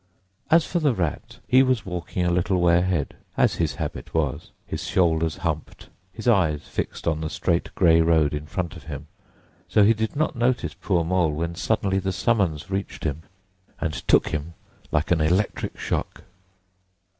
As for the Rat, he was walking a little way ahead, as his habit was, his shoulders humped, his eyes fixed on the straight grey road in front of him; so he did not notice poor Mole when suddenly the summons reached him, and took him like an electric shock.